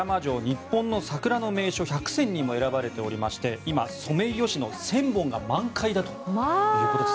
日本の桜の名所１００選にも選ばれておりまして今、ソメイヨシノ１０００本が満開だということです。